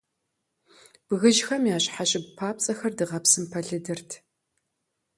Бгыжьхэм я щхьэщыгу папцӀэхэр дыгъэпсым пэлыдырт.